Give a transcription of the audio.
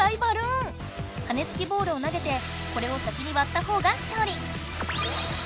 はね付きボールを投げてこれを先に割ったほうが勝利！